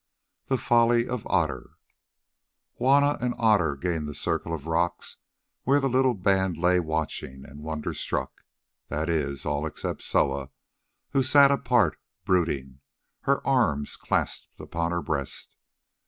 THE FOLLY OF OTTER Juanna and Otter gained the circle of rocks where the little band lay watching and wonder struck; that is, all except Soa, who sat apart brooding, her arms clasped upon her breast.